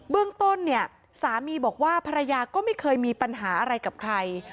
เรื่องต้นเนี่ยสามีบอกว่าภรรยาก็ไม่เคยมีปัญหาอะไรกับใคร